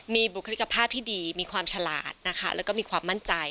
มีบุคลิกภาพที่ดีมีความฉลาดนะคะแล้วก็มีความมั่นใจ